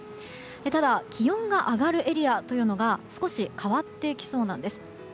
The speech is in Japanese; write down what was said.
ただ、気温が上がるエリアが少し変わってきそうなんです。